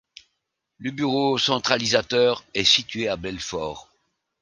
Le bureau centralisateur est situé à Belfort.